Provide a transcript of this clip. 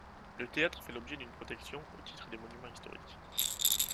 Le théâtre fait l'objet d'une protection au titre des monuments historiques.